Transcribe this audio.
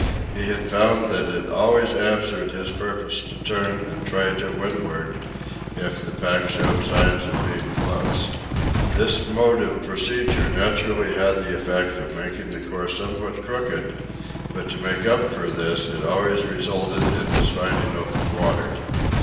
He had found that it always answered his purpose to turn and try to windward, if the pack showed signs of being close. This mode of procedure naturally had the effect of making the course somewhat crooked, but to make up for this it had always resulted in his finding open water.